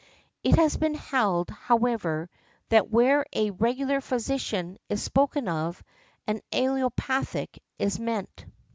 It has been held, however, that where a "regular physician" is spoken of, an allopathic is meant .